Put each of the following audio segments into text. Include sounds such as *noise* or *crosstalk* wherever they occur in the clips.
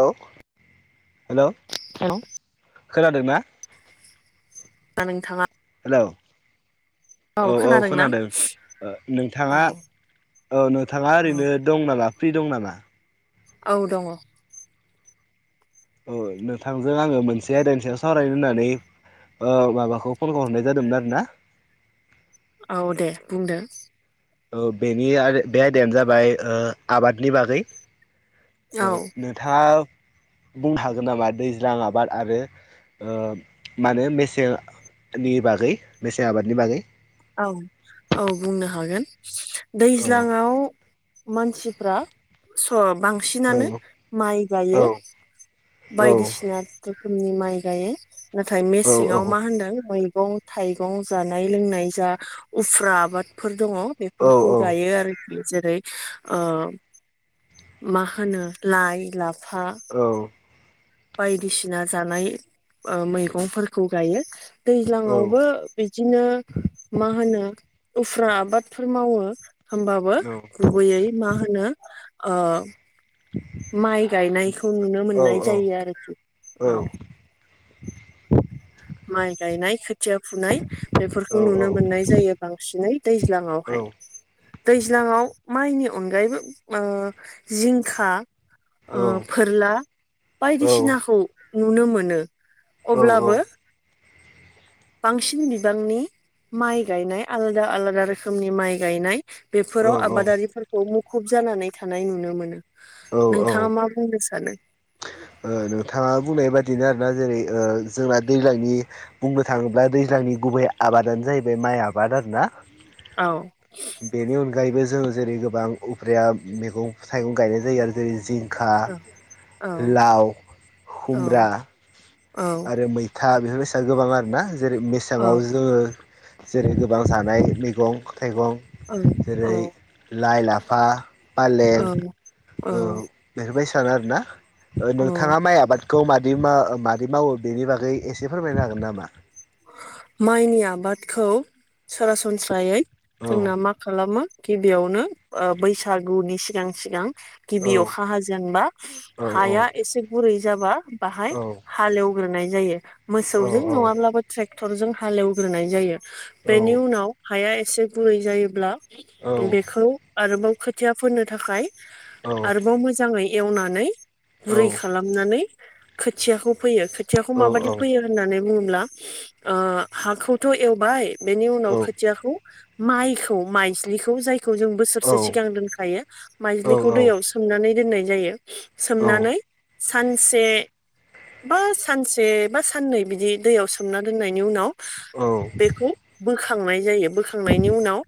औ hello hello खोनादों ना? दा नोंथाङा औ औ औ खोनादों औ नोंथाङा औ नोंथाङा ओरैनो दं नामा फ्रि दं नामा? औ दंङ। औ नोंथांजों आङो मोनसे आयदानि सायाव सावरायनो होननानै ओ माबाखौ फनखौ हरनाय जादोंमोन आरो ना। औ दे बुंदो। औ बेनि आरो बे आयदायानो जाबाय ओ आबादनि बागै। औ ओ नोंथाङा बुंनो हागोन नामा दैज्लां आबाद आरो ओ मा होनो मेसेंनि बागै मेसें आबादनि बागै? औ औ बुंनो हागोन औ दैज्लांआव मानसिफ्रा सम औ बांसिनानो माइ औ गायो औ बायदिसिना रोखोमनि माइ गायो नाथाय औ मेसेंआव मा होनदों मैगं -थाइगं जानाय लोंनाय। जा उफ्रा आबादफोर दङ औ बेफोरखौ गायो आरो। जेरै ओ मा होनो लाइ ला औ। बायदिसिना जानाय ओ मैगंफोरखौ गायो। औ दैज्लांआवबो बिदिनो मा होनो उफ्रा आबादफोर मावो होमबाबो गुबैयै मा होनो ओ माइ गायनायखौ नुनो औ मोननाय औ जायो आरखि औ *inaudible* माय गायनाय खोथिया फुनाय औ बेफोरखौ नुनो औ मोननाय जायो बांसिनै दैज्लाङावहाय। दैज्लाङाव माइनि अनगायैबो ओ जिंखा औ ओ फोरला औ बायदिसिनाखौ नुनो मोनो अब्लाबो बांसिन बिबांनि माइ गायनाय आलादा -आलादा रोखोमनि माइ गायनाय। औ बेफोराव आबादारिफोरखौ मुखुब जानानै थानाय नुनो मोनो। नोंथाङा मा बुंनो सानो? ओ नोंथाङा बुंनाय बादिनो आरोना जेरै ओ जोंना दैज्लांनि बुंनो थाङोब्ला दैज्लां नि गुबै आबादानो जाहैबाय माइ आबाद आरो ना औ। बेनि अनगायैबो जों जेरै गोबां उफ्रिया मैगं -थाइगं गायनाय जायो आरो जेरै जिं खा औ औ लाव औ हुमब्रा औ आरो मैथ था बेफोरनि स गोबां आरोना जेरै औ मेसेङाव जोङो जेरै गोबां जानाय मैगं थाइगं जेरै औ लाइ, -लाफा, फालें ओ औ औ बेफोरबायदि सानो आरोना औ नोंथाङा माइ आबाद खौ मादि मा- मावो बेनि बागै एसे फोरमायनो हागोन नामा? माइनि आबादखौ सरासनस्रायै औ जोंना मा खालामो गिबियावनो ओ बैसागुनि सिगां -सिगां औ गिबि अखा हाजेनबा औ हाया एसे गुरै जाबा बाहाय औ हालेवग्रोनाय जायो औ मोसौजों नङाब्लाबो ट्रे टेखक्टरजों हालेवग्रोनाय जायो औ बेनि उनाव हाया एसे गुरै जायोब्ला औ बेखौ आरोबाव खोथिया फोननो थाखाय औ आरोबाव मोजाङै एवनानै गुरै औ औ खालामनानै खोथियाखौ फोयो। खोथियाखौ औ माबायदि औ फोयो होननानै बुङोब्ला ओ हाखौथ' एवबाय बेनि उनाव औ खोथियाखौ माइखौ माइज्लिखौ जाय खौ जों बोसोरसे औ सिगां दोनखायो माइज्लिखौ औ औ दैयाव औ सोमनानै दोननाय जायो। सोमनानै औ सानसे बा -सानसे बा साननै बिदि दैयाव सोमना दोननाय नि उनाव बेखौ बोखांनाय जायो। बोखांनायनि उनाव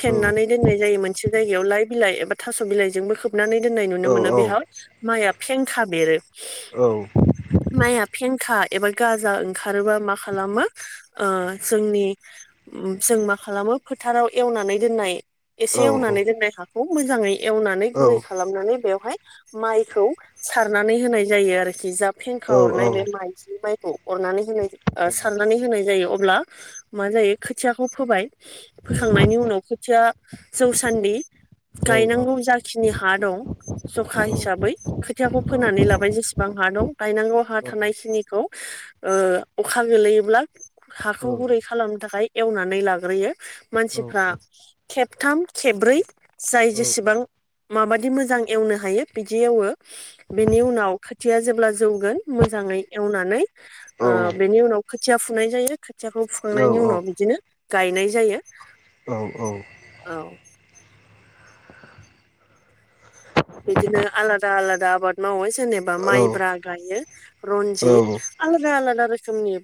फेननानै दोननाय जायो मोनसे जायगायावनो लाइ बिइबा एबा थास' बिलाइजोंबो खोबो खोबनानै दोन्नाय नुनो मोनो बेहाय माइआ फेंखा बेरो माइया फेंखा एबा गाजा ओंखारोबा माख खालामो ओ जोंनि जों मा खालामो फोथाराव एवनानै दोननाय एसे एवनानै दोननाय हाखौ मोजाङै एवनानै गुरै खालामनानै बेयाव हाय माइखौ सारनानै होनाय जायो आरोखि जा फेंखा हरनाय बे माइजि माइ सारनानै होनाय जायो अब्ला मा जायो खोथियाखौ फोबाय फोखांनायनि उनाव खोथिया जौ सान्दि गायनांगौ जाखिनि हा दं। जखा हिसाबै खोथियाखौ फोनानै लाबाय जेसेबां हा दं गायनांगौ हा थानायखिनिखौ। ओ अखा गोलैयोब्ला हाखौ गुरै खालामनो थाखाय एवनानै लाग्रोयो। मानसिफ्रा खेबथाम खेबब्रै जाय जेसेबां। माबादि मोजां एवनो हायो बिदि एवो बेनि उनाव खोथिया जेब्ला। जौगोन मोजाङै एवनानै ओ। बेनि उनाव खोथिया फुनाय जायो खोथियाखौ फुखांनायनि उनाव बिदिनो गायनाय जायो। औ औ। औ बिदिनो आलादा आलादा आबाद मावो। जेनेबा औ माइब्रा गायो औ रनजित औ आलादा आलादा रोखोमनि।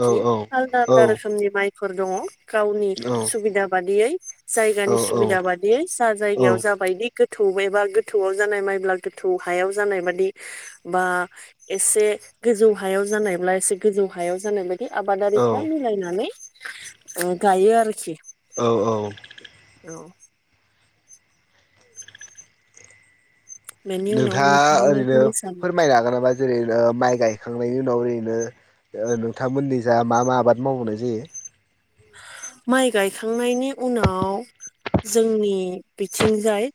औ आलदा औ आलदा रोखोमनि माइफोर दङ। गावनि सुबिदा बादियै जायगानि सुबिदा बादियै जा औ जायगायाव जाबायदि गोथौ एबा गो थौ जानाय मायब्ला गोथौ हायाव जानाय बादि बा एसे गोजौ हायाव जानायब्ला एसे गोजौ हायाव जानाय बाद बे औ आबादारिफ्रा मिलायनानै गायो आरोखि। औ औ औ बेनि उनाव नोंथाङा मा ओरैनो बुंनो सानो फोरमायनो हागोन नामा? जेरै नो माइ गायखांनायनि उनाव ओरैनो ओ नोंथांमोननि जा मा मा आबाद मावबावनाय जायो। माइ गायखांनायनि उनाव जोंनि बिथिंजाय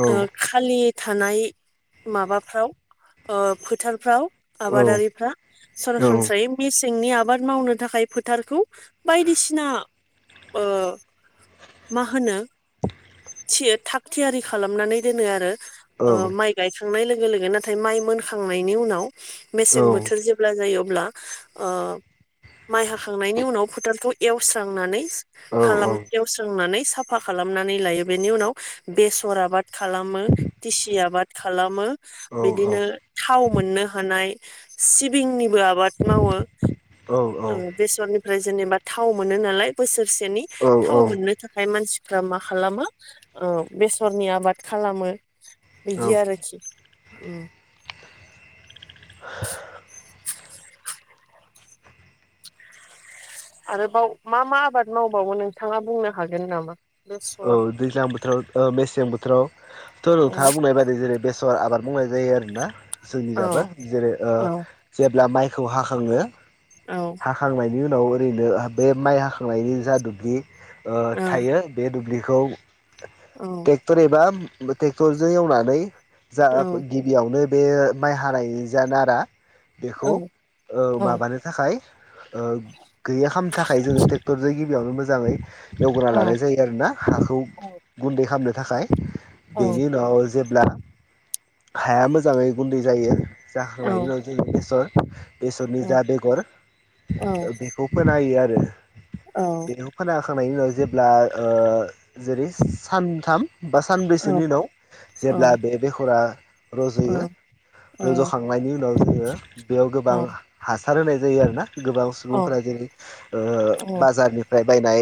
औ ओ खालि थानाय माबाफ्राव ओ फोथारफ्राव औ आबादारिफ्रा औ सरासनस्रायै मिस सेंनि आबाद मावनो थाखाय फोथारखौ बायदिसि ना ओ मा होनो थि थाग थियारि खालामनानै दोनो आरो ओ माइ गायखां नाय लोगो लोगो नाथाय माय मोनखांनायनि उनाव औ मेसें बोथोर जेब्ला जायो अ ब्ला ओ माइ हाखांनायनि उनाव फोथारखौ एवस्रांनानै औ खालाम एवस्रांनानै साफा खालामनानै लायो बेनि उनाव बेसर आबाद खालामो तिसि आबाद खालामो औ बिदिनो थाव मोननो हानाय सिबिंनिबो आबाद मावो औ ओ बेसरनिफ्राय जेनेबा थाव मोनो नालाय बोसोरसेनि थाव औ मोननो थाखाय मानसि फ्रा मा खालामो ओ बेसरनि आबाद खालामो औ बिदि आरोखि। उम आरोबाव मा मा आबाद मावबावो नोंथाङा बुंनो हागोन नामा? औ बेसर दैज्लां बोथोराव मेसें बोथोराव थ' औ नोंथाङा बुंनाय बायदि जेरै बे सर आबाद मावनाय जायो आरोना औ जोंनिजाबो जेरै ओ औ जेब्ला माइ खौ हाखाङो औ हाखांनायनि उनाव ओरैनो बे माइ हाखांनायनि जा दुबलि ओ औ थायो बे दुब्लिखौ औ टेक्टर एबा टेक्टरजों एवनानै जा औ गिबियावनो बे माइ हानायनि जा नारा औ बेखौ ओ माबानो थाखाय ओ गैया खामनो थाखाय जोङो टेक्टरजों गिबियावनो मोजाङै एवग्रोना औ लानाय जायोना हाखौ औ गुन्दै खालामनो थाखाय औ बेनि उनाव जे ब्ला हाया मोजाङै गुन्दै जायो औ जाखांनायनि उनाव जों बेसर बेसरनि जा बेगर बेखौ फोनाहोयो आरो औ बेखौ फोना हो खांनायनि उनाव जेब्ला ओ जेरै सानथाम बा औ औ सानब्रैसोनि उनाव जेब्ला बे बेखरा रज'यो रज'खांनायनि उनाव जोङो बेयाव गोबां हा-हासार होनाय जायो आरो ना गोबां सुबुंफोरा जेरै ओ बाजारनिफ्राय बायनाय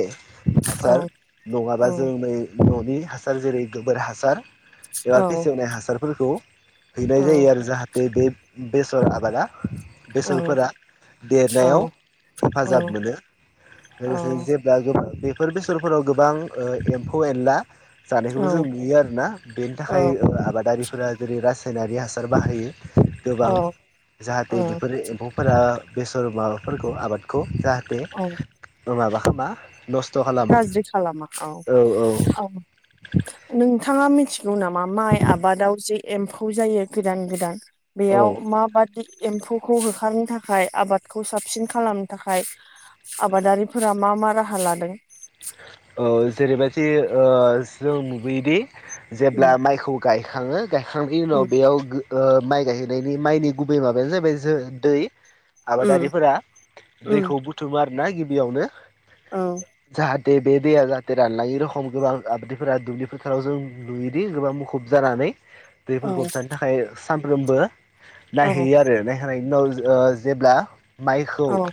औ हासार नङाबा जों बै न'नि हासार जेरै गोबोर हासार एबा औ फेसेवनाय हासारफोरखौ हैनाय जायो आरो जाहाथे बे बेसर आबादा बेसरफोरा औ देरनायाव हेफाजाब मोनो। लोगोसे जेब्ला गोबां बेफोर बेसरफोराव गोबां एम्फौ एनला जानायखौबो जों नुयो आरोना बेनि थाखाय आबादारिफोरा जेरै रासाइ नारि हासार बाहायो गोबां औ जाहाथे बेफोर एम्फौफोरा बेसर माबाफोरखौ आबादखौ जाहाथे औ माबा खालामा नस्थ खालामा गाज्रि खालामा औ औ नोंथाङा मिथि गौ नामा माइ आबादाव जे एम्फौ जायो गोदान गोदान औ बेयाव माबादि एम्फौखौ होखारनो थाखाय आबादखौ साबसिन खालामनो थाखाय आबादारिफोरा मा मा राहा लादों औ जेरैबायदि ओ जों नुुबैयोदि जेब्ला उम माइखौ गायखाङो गायखांनायनि उम उनाव बेयाव माइ गायहैनायनि माइनि गुबै माबायानो जाबाय दै उम आबादारिफोरा उम दैखौ बुथुमो आरोना गिबियावनो औ देै बे दैया जाहाथे रानलाङि रखम गोबां आबादैफोरा दुब्लि फोथाराव जों नुयोदि गोबां मुखुब जानानै दै फोरखौ औ होबथानो थाखाय सानफ्रोमबो औ नायहैयो आरो नायहौनाय उनाव ओ जेब्ला माइखौ औ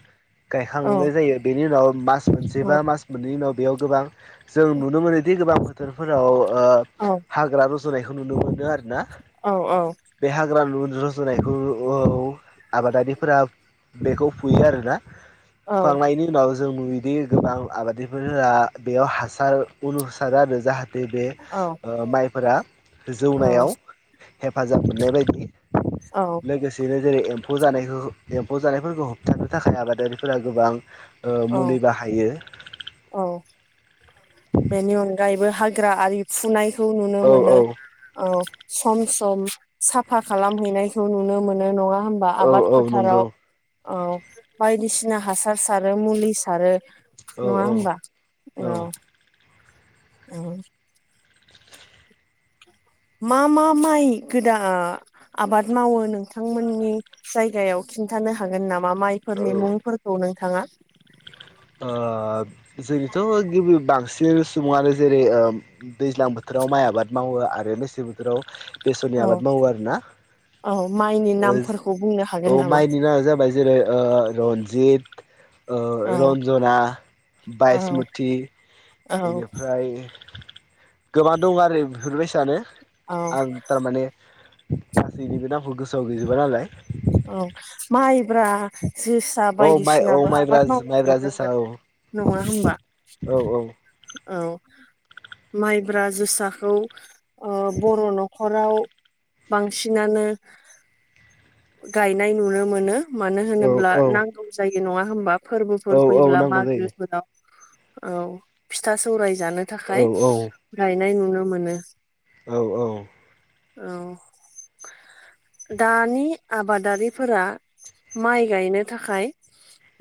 औ गायखांनाय जायो बेनि उनाव मास औ मोनसेबा मास मोननैनि उनाव बेयाव गोबां जों नुनो मोनोदि गोबां बोथोरफोराव ओ हाग्रा रज'नायखौ नुनो मोनो आरो ना औ बे हाग्रा न रजनायखौ आबादारिफोरा बेखौ फुयो आरोना औ फुखांनायनि उनाव जों नुयोदि गोबां आबादारिफोर बेयाव हासार उनु सारो आरो जाहाथे नै बे माइफोरा जौनायाव हेफाजाब मोननाय बायदि औ लोगोसेनो जेरै एम्फौ जानायखौ एम्फौ जानायफोरखौ होबथानो थाखाय आबादारिफोरा गोबां ओ औ मुलि बाहायो औ बेनि अनगायैबो हाग्रा आरि फुनाय खौ नुनो औ मोनो औ औ सम सम साफा खालामहैनायखौ नुनो मोनो नङा होमबा औ आबाद औ फोथाराव नंगौ औ बायदिसिना हासार सारो मुलि सारो औ नङा औ होमबा औ औ मा मा माइ गोदान आबाद मावो नोंथांमोननि जायगायाव खिन्थानो हागोन नामा माइफोरनि मुंफोरखौ नोंथाङा ओ जोंनिथ गिबि बांसिन बि सुबुङानो जेरै दैज्लां बोथोराव माइ आबाद मावो आरो मेसें बोथोराव बेसरनि औ आबाद मावो आरो ना औ माइनि नामफोरखौ बुंनो औ हागोन माइनि नामा जाबाय जेरै रनज जिद ओ औ रन मोनना औ बायसमुथि औ बेनिफ्राय गोबां दं आरो बेफोरबायसानो औ आं थारमाने गासैनिबो नामखौ गोसोआव गैजोबा नालाय औ माइब्रा जोसा औ माइ औ बायदिसिनाबो माइब्रा आबाद मावनाय माइब्रा नुनो जोसा औ मोनो नङा होमबा औ औ औ *inaudible* माइब्रा जोसाखौ ओ बर नखराव बांसिनानो गायनाय नुनो मोनो मानो औ होनोब्ला औ नांगौ जायो नङा होमबा फोरबोफोर औ औ फैयोब्ला नांगौ जायो मागोफोराव औ फिथा सौराय जानो औ थाखाय औ गायनाय नुनो मोनो औ औ औ दानि आबादारिफोरा माइ गायनो थाखाय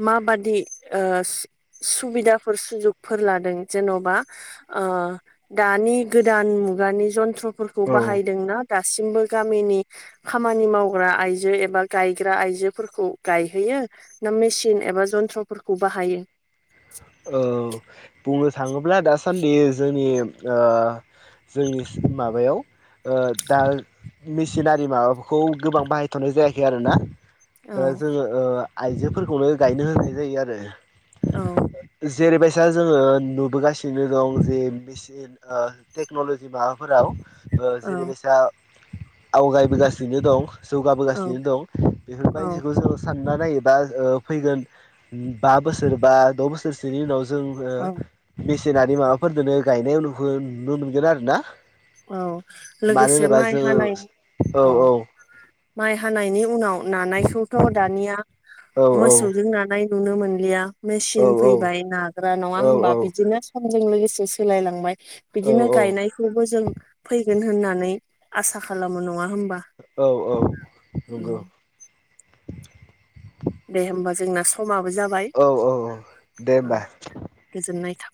माबादि ओ सुबिदाफोर सुजुगफोर लादों जेनबा ओ दानि गोदान मुगानि जन्थ्रफोरखौ औ बाहायदोंना दासिमबो गामिनि खामानि मावग्रा आय आयजो एबा गायग्रा आइजोफोरखौ गायहैयो ना मेचिन एबा जन्थ्रफोरखौ बाहायो औ बुंनो थाङोब्ला दासान्दि जोंनि ओ जोंनि माबायाव ओ दा मेचिनारि माबाफोरखौ गोबां बाहायथनाय जायाखै आरो ना औ दा जोङो ओ आइजोफोरखौनो गायनो होनाय जायो आरो औ जेरैबायसा जोङो नुबोगासिनो दं जे मेचिन ओ टेक्नलजि माबाफोराव ओ औ जेरैबायसा आवगायबोगासिनो दं। औ जौगाबोगासिनो दं बेफोरबाय औ जिखौ जों सान ना नायोबा ओ फैगोन बा बोसोर बा द बोसोरसोनि उनाव जोङो ओ औ मेचिनारि माबाफोरजोंनो गायनाय उनुखो नुनो मोनगोन आरो ना औ मानो लोगोसे होनोबा माइ हानाय औ जोङो माइ हानायनि उनाव नानायखौथ' दानिया औ मोसौजों नानाय नुनो मोनलिया औ मेचिन फैबाय नाग्रा नङा औ होमबा बिदिनो समजों लोगोसे सोलायलांबाय बिदिनो औ गायनायखौबो जों फैगोन होननानै आसा खालामो नङा होमबा औ औ उम नंगौ दे होमबा जोंना समाबो जाबाय औ औ औ दे औ होमबा गोजोननाय था